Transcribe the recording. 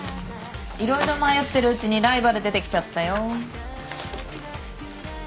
色々迷ってるうちにライバル出てきちゃったよ。